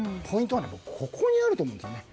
ポイントはここにあると思うんです。